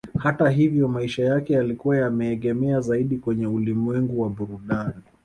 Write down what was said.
Hata hivyo maisha yake yalikuwa yameegemea zaidi kwenye ulimwengu wa burudani